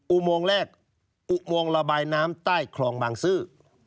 อุโมงยักษ์แรกอุโมงยักษ์ระบายน้ำใต้คลองบางซื่อ